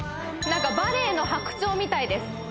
バレエの白鳥みたいです